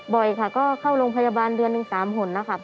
บ่อยค่ะก็เข้าโรงพยาบาลเดือน๑๓หล่นนะค่ะ